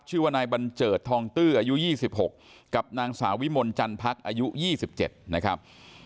ชื่อว่านายบัญเจิดทองตื้ออายุ๒๖กับนางสาววิมลจันพักอายุ๒๗นะครับ